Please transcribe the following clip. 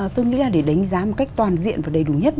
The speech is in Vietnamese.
tôi nghĩ là để đánh giá một cách toàn diện và đầy đủ nhất